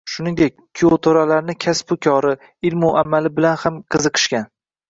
Shuningdek kuyovto‘ralarni kasbu kori, ilmi-yu amali bilan ham qiziqishgan